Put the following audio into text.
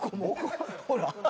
ほら。